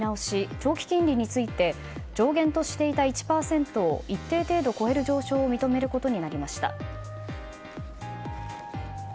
長期金利について上限としていた１％を一定程度超える上昇を認めることになりました。